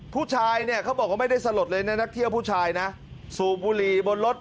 ผู้ชายเนี่ยเขาบอกว่าไม่ได้สลดเลยนะนักเที่ยวผู้ชายนะสูบบุหรี่บนรถ